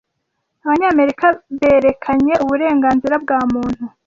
Abanyamerika berekanye uburenganzira bwa muntu.